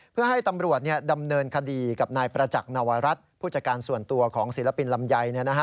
เพื่อให้ตำรวจดำเนินคดีกับนายประจักษ์นวรัฐผู้จัดการส่วนตัวของศิลปินลำไย